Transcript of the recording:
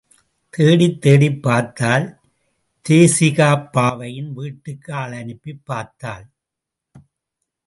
தேடித் தேடிப் பார்த்தாள் தேசிகப்பாவையின் வீட்டுக்கும் ஆள் அனுப்பிப் பார்த்தாள்.